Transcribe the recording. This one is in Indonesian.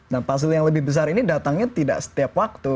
nah puzzle yang lebih besar ini datangnya tidak setiap waktu